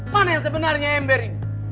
mana yang sebenarnya ember ini